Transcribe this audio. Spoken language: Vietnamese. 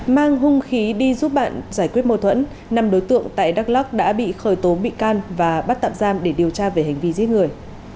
mang hung khí đi giúp bạn giải quyết mâu thuẫn năm đối tượng tại đắk lắc đã bị khởi tố bị can và bắt tạm giam để điều tra về hành vi giết người